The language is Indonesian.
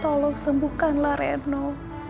tolong sembuhkanlah reno